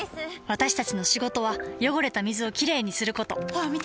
私たちの仕事は汚れた水をきれいにすることホアン見て！